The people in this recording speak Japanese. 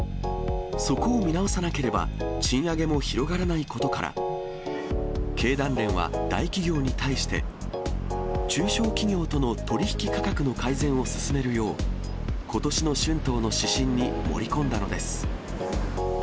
そこを見直さなければ、賃上げも広がらないことから、経団連は大企業に対して、中小企業との取り引き価格の改善を進めるよう、ことしの春闘の指針に盛り込んだのです。